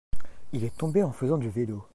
il est tombé en faisant du vélo.